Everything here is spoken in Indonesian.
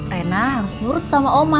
rena harus nurut sama oma